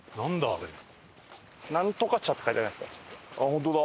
ホントだ。